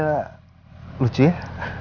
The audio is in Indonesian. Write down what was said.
siapa dulu yang milih